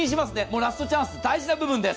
ラストチャンス、大事な部分です。